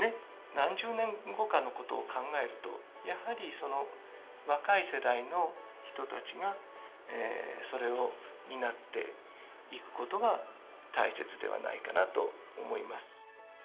何十年後かのことを考えると、やはり若い世代の人たちが、それを担っていくことが大切ではないかなと思います。